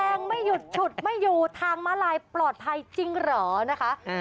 งไม่หยุดฉุดไม่อยู่ทางม้าลายปลอดภัยจริงเหรอนะคะ